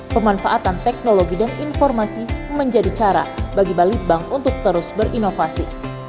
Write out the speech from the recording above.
pemanfaatan teknologi dan informasi menjadi cara bagi balitbank untuk terus berinovasi